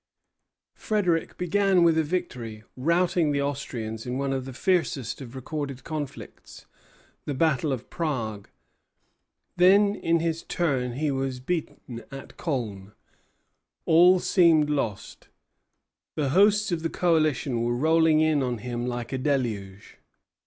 Frederic began with a victory, routing the Austrians in one of the fiercest of recorded conflicts, the battle of Prague. Then in his turn he was beaten at Kolin. All seemed lost. The hosts of the coalition were rolling in upon him like a deluge.